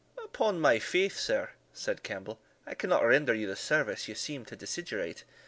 "Upon my faith, sir," said Campbell, "I cannot render you the service you seem to desiderate.